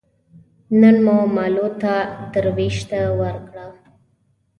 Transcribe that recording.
نن مو مالو ته دروشته ور کړه